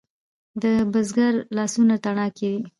د بزګر لاسونه تڼاکې دي؟